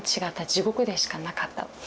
地獄でしかなかった。